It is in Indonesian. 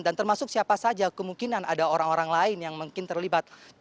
dan termasuk siapa saja kemungkinan ada orang orang lain yang mungkin terlibat